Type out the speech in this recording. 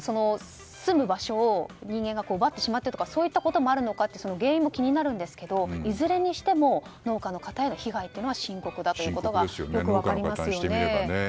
住む場所を人間が奪ってしまったとかそういうこともあるのかという原因も気になるんですがいずれにしても農家の方への被害というのは深刻だということがよく分かりますよね。